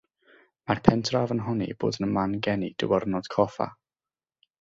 Mae'r pentref yn honni bod yn man geni Diwrnod Coffa.